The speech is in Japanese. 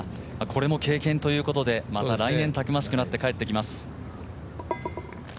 これも経験ということでまた来年たくましくなって帰ってきます。